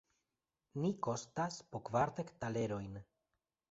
Ni kostas po kvardek talerojn!